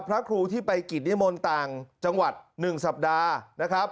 พระครูที่ไปกิจนิมนต์ต่างจังหวัด๑สัปดาห์นะครับ